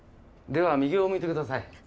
では右を向いてください。